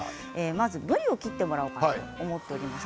まず、ぶりを切ってもらおうと思っております。